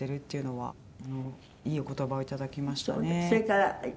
はい。